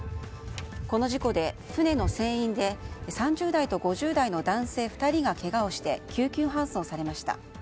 この事故で船の船員で３０代と５０代の男性２人がけがをして救急搬送されました。